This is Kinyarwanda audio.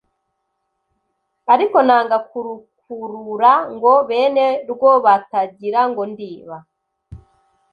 ariko nanga kurukurura ngo bene rwo batagirango ndiba